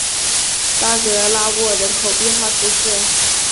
拉格拉沃人口变化图示